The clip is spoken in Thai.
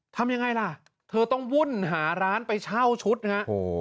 ทำยังไงล่ะเธอต้องวุ่นหาร้านไปเช่าชุดนะฮะ